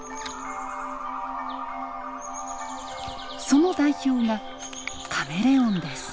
その代表がカメレオンです。